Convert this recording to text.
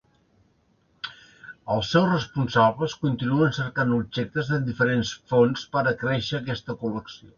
Els seus responsables continuen cercant objectes de diferents fonts per acréixer aquesta col·lecció.